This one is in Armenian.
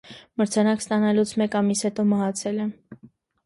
Մրցանակն ստանալուց մեկ ամիս հետո մահացել է։